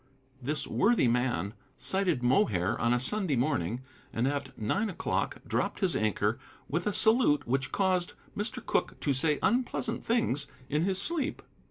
This worthy man sighted Mohair on a Sunday morning, and at nine o'clock dropped his anchor with a salute which caused Mr. Cooke to say unpleasant things in his sleep.